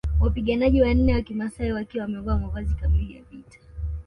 Wapiganaji wanne wa kimasai wakiwa wamevaa mavazi kamili ya vita